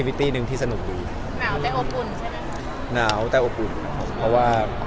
ยิ่งกลับคลองในงานถามอะไรก็ไม่รู้